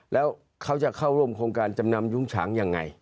แล้วเขาจะเข้าร่วมโครงการจำนำยุ้งฉางยังไง